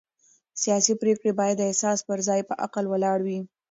سیاسي پرېکړې باید د احساس پر ځای پر عقل ولاړې وي